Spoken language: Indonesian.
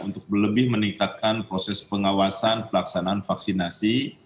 untuk lebih meningkatkan proses pengawasan pelaksanaan vaksinasi